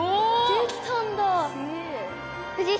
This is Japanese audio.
できたんだ！